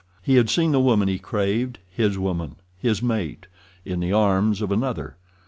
He had seen the woman he craved—his woman—his mate—in the arms of another.